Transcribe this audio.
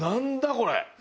これ！